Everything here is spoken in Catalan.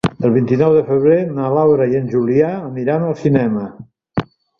El vint-i-nou de febrer na Laura i en Julià aniran al cinema.